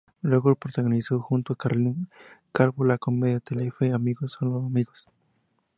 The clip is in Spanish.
Luego protagonizó junto a Carlin Calvo la comedia de Telefe "Amigos son los amigos".